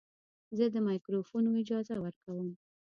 زه د مایکروفون اجازه ورکوم.